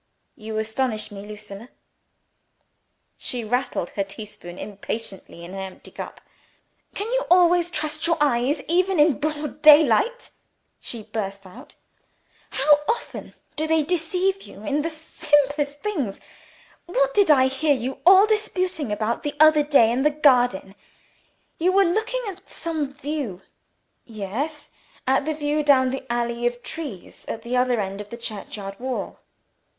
"You astonish me, Lucilla!" She rattled her teaspoon impatiently in her empty cup. "Can you always trust your eyes, even in broad daylight?" she burst out. "How often do they deceive you, in the simplest things? What did I hear you all disputing about the other day in the garden? You were looking at some view?" "Yes at the view down the alley of trees at the other end of the churchyard wall."